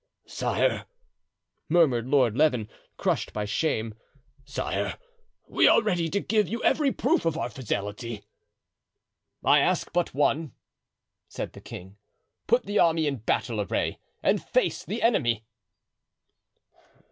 "Sire," murmured Lord Leven, crushed by shame, "sire, we are ready to give you every proof of our fidelity." "I ask but one," said the king; "put the army in battle array and face the enemy."